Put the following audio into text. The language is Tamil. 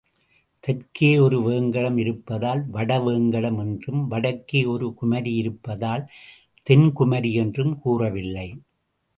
தெற்கே ஒரு வேங்கடம் இருப்பதால் வடவேங்கடம் என்றும், வடக்கே ஒரு குமரி இருப்பதால் தென்குமரி என்றும் கூறவில்லை.